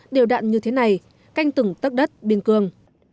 đều đạn như thế này canh từng tất đất biên cương